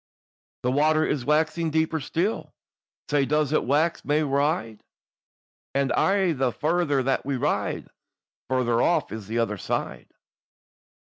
"The water is waxing deeper still, Sae does it wax mair wide; And aye the farther that we ride on, Farther off is the other side.